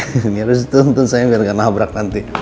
ini harus tuntun saya biar gak nabrak nanti